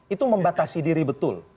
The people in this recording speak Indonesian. itu membatasi diri betul